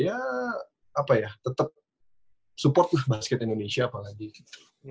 ya apa ya tetap support lah basket indonesia apalagi gitu